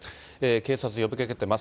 警察が呼びかけてます。